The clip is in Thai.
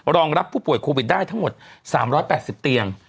รองรับผู้ป่วยโควิดได้ทั้งหมด๓๘๐เตียง